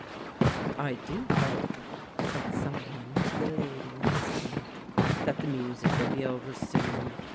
"I do hope," said some one to the lady next him, "that the music will be over soon.